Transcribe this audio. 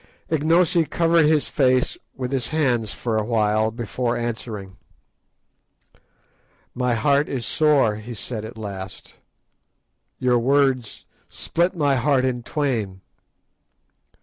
Ignosi covered his face with his hands for a while before answering. "My heart is sore," he said at last; "your words split my heart in twain.